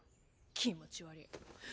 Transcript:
気持ち悪ぃ。